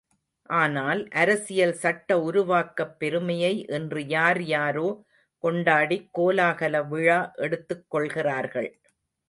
ஆனால், அரசியல் சட்ட உருவாக்கப் பெருமையை இன்று யார் யாரோ கொண்டாடிக் கோலாகல விழா எடுத்துக் கொள்கிறார்கள்.